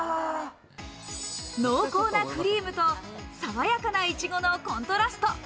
濃厚なクリームと爽やかないちごのコントラスト。